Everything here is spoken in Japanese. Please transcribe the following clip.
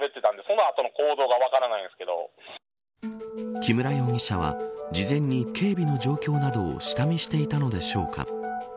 木村容疑者は事前に警備の状況などを下見していたのでしょうか。